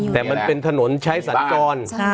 แต่มันเป็นถนนใช้สัญจร